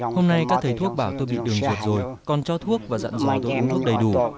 hôm nay các thầy thuốc bảo tôi bị đường ruột rồi còn cho thuốc và dặn dòi thuốc uống thuốc đầy đủ